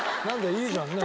いいじゃんね。